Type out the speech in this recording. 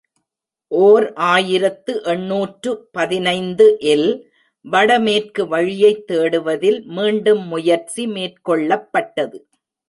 ஓர் ஆயிரத்து எண்ணூற்று பதினைந்து இல் வட மேற்கு வழியைத் தேடுவதில் மீண்டும் முயற்சி மேற்கொள்ளப்பட் டது.